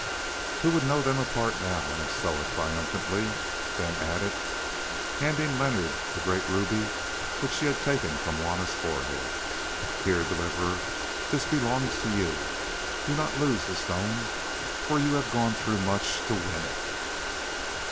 "Who would know them apart now?" asked Soa triumphantly, then added, handing Leonard the great ruby which she had taken from Juanna's forehead, "Here, Deliverer, this belongs to you; do not lose the stone, for you have gone through much to win it."